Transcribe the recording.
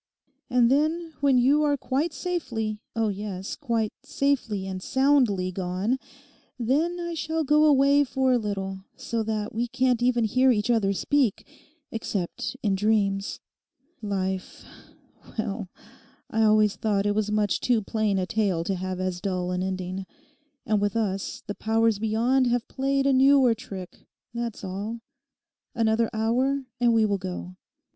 And then, when you are quite safely, oh yes, quite safely and soundly gone, then I shall go away for a little, so that we can't even hear each other speak, except in dreams. Life!—well, I always thought it was much too plain a tale to have as dull an ending. And with us the powers beyond have played a newer trick, that's all. Another hour, and we will go.